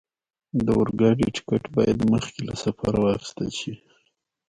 د اورګاډي ټکټ باید مخکې له سفره واخستل شي.